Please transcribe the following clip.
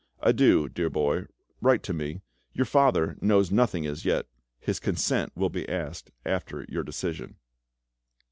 Adieu, dear boy; write to me. Your father knows nothing as yet; his consent will be asked after your decision."